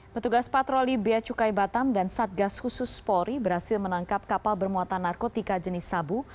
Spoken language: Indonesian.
petugas patroli beacukai batam dan satgas khusus polri berhasil menangkap kapal bermuatan narkotika jenis sabu